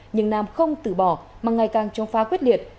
nhưng nam không tử bỏ mà ngày càng chống phá quyết liệt